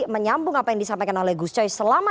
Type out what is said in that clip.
menyambung apa yang disampaikan gus choy selama